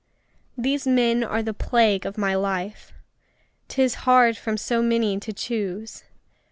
These men are the plague of my life: 'Tis hard from so many to choose!